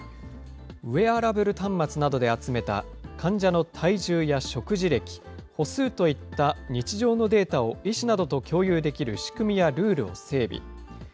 ウエアラブル端末などで集めた患者の体重や食事歴、歩数といった日常のデータを、医師などと共有できる仕組みやルールを整備。